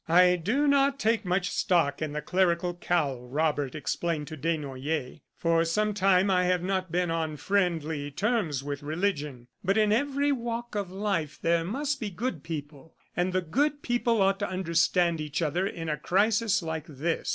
"I do not take much stock in the clerical cowl," Robert explained to Desnoyers. "For some time I have not been on friendly terms with religion. But in every walk of life there must be good people, and the good people ought to understand each other in a crisis like this.